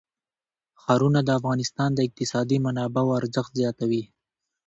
ښارونه د افغانستان د اقتصادي منابعو ارزښت زیاتوي.